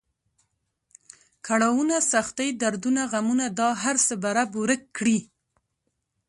کړاونه، سختۍ، دردونه، غمونه دا هر څه به رب ورک کړي.